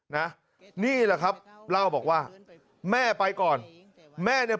นะนี่แหละครับเล่าบอกว่าแม่ไปก่อนแม่เนี่ย